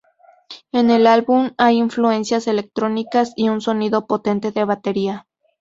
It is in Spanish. En el álbum hay influencias electrónicas y un sonido potente de batería.